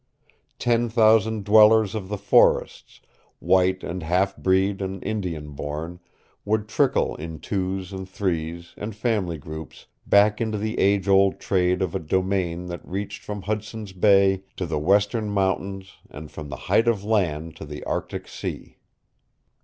Ten thousand dwellers of the forests, white and half breed and Indian born, would trickle in twos and threes and family groups back into the age old trade of a domain that reached from Hudson's Bay to the western mountains and from the Height of Land to the Arctic Sea.